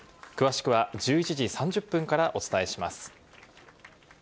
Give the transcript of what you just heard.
詳しくは１１時３０分からお伝えします。